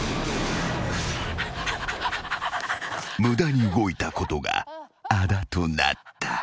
［無駄に動いたことがあだとなった］